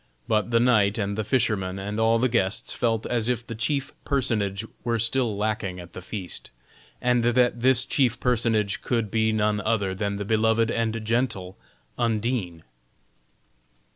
But the knight and the fisherman and all the guests felt as if the chief personage were still lacking at the feast, and that this chief personage could be none other than the loved and gentle Undine.